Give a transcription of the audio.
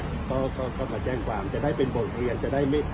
เขาก็มาแจ้งความจะได้เป็นบทเรียนจะได้ไม่